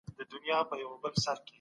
وروسته پاته والی د نه پاملرنې پایله ده.